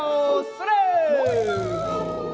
それ！